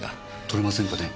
採れませんかね？